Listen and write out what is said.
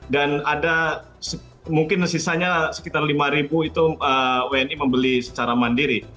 dan ada mungkin sisanya sekitar lima ribu itu wni membeli secara mandiri